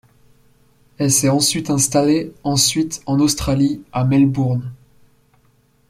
Elle s'est ensuite installée ensuite en Australie à Melbourne.